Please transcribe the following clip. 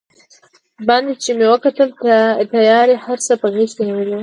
باندې چې مې وکتل، تیارې هر څه په غېږ کې نیولي و.